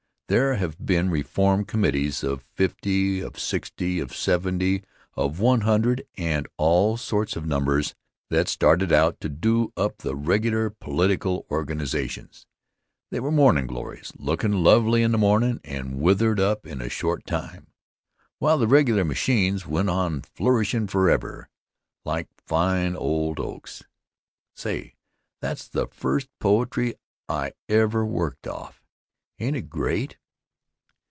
There have been reform committees of fifty, of sixty, of seventy, of one hundred and all sorts of numbers that started Out to do up the regular political Organizations. They were mornin' glories looked lovely in the mornin' and withered up in a short time, while the regular machines went on flourishin' forever, like fine old oaks. Say, that's the first poetry I ever worked off. Ain't it great?